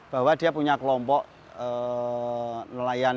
bahwa dia punya kelompok nelayan